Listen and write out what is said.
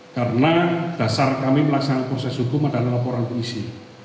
karena dasar kami melaksanakan proses hukum adalah laporan peneliti